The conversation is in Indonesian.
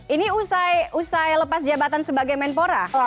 ini usai lepas jabatan sebagai menpora